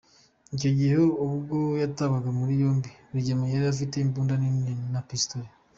Icyo gihe ubwo yatabwaga muri yombi, Rugema yari afite imbunda nini na Pistol.